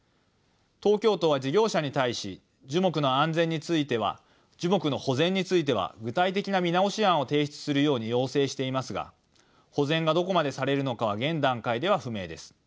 東京都は事業者に対し樹木の保全については具体的な見直し案を提出するように要請していますが保全がどこまでされるのかは現段階では不明です。